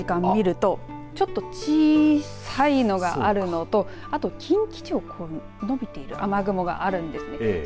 この時間見ると小さいのがあるのと近畿地方伸びている雨雲があるんです。